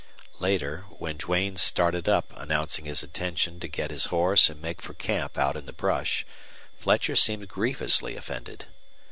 Later, when Duane started up announcing his intention to get his horse and make for camp out in the brush, Fletcher seemed grievously offended.